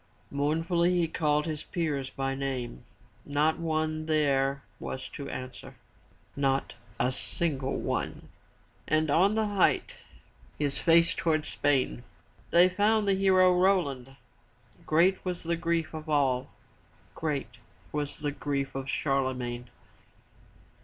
Mourn fully he called his peers by name. Not one there was to answer, — not a single one. And on the height, his face toward Spain, they found the hero Roland. Great was the grief of all. Great was the grief of Charlemagne.